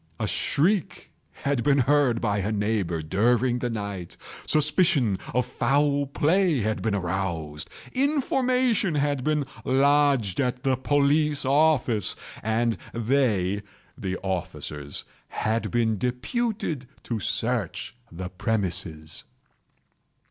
A shriek had been heard by a neighbour during the night; suspicion of foul play had been aroused; information had been lodged at the police office, and they (the officers) had been deputed to search the premises.